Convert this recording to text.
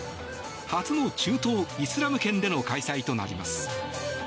初の中東、イスラム圏での開催となります。